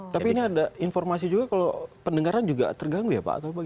tapi ini ada informasi juga kalau pendengaran juga terganggu ya pak